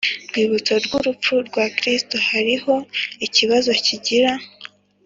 Rwibutso rw urupfu rwa kristo hariho ikibazo kigira